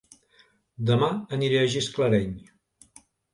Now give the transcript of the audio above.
Dema aniré a Gisclareny